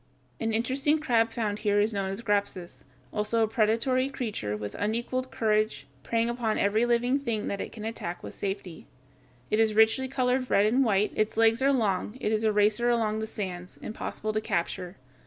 An interesting crab found here is known as Grapsus, also a predatory creature with unequaled courage, preying upon every living thing that it can attack with safety. It is richly colored red and white; its legs are long; it is a racer along the sands, impossible to capture.